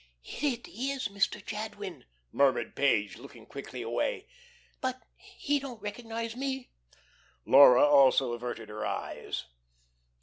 "It is Mr. Jadwin," murmured Page, looking quickly away. "But he don't recognise me." Laura also averted her eyes.